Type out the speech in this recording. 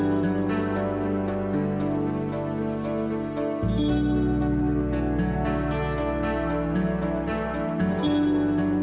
aku rindu kabanya lebih banget dari tempat lain